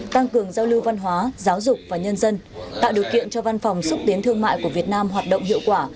tăng cường giao lưu văn hóa giáo dục và nhân dân tạo điều kiện cho văn phòng xúc tiến thương mại của việt nam hoạt động hiệu quả